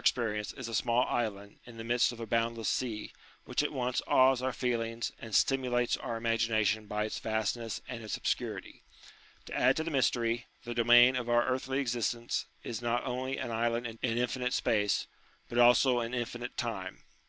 Human existence is girt round with mystery ^ the narrow region of our experience is a small island in the midst of a boundless sea, which at once awes our feelings and stimulates our imagination by its vastness and its obscurity. To add to the mystery, the domain of our earthly existence is not only an island in infinite space, but also in infinite time.